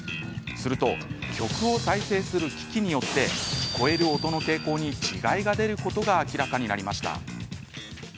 すると曲を再生する機器によって聞こえる音の傾向に違いが出ることが明らかになりました。